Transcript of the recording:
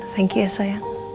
thank you ya sayang